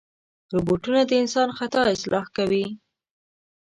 روبوټونه د انسان خطا اصلاح کوي.